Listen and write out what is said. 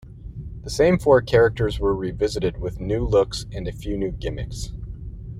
The same four characters were revisited with new looks and a few new gimmicks.